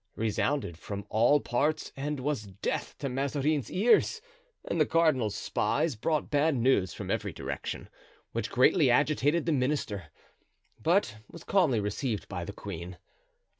resounded from all parts and was death to Mazarin's ears; and the cardinal's spies brought bad news from every direction, which greatly agitated the minister, but was calmly received by the queen.